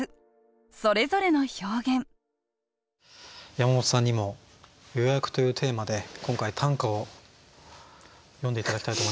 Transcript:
山本さんにも「予約」というテーマで今回短歌を詠んで頂きたいと思います。